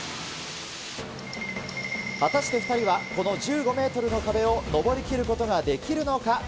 果たして２人は、この１５メートルの壁を登りきることができるのか。